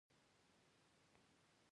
په سرحدي سیمو کې اسعار کارول غلط دي.